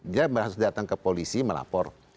dia berhasil datang ke polisi melapor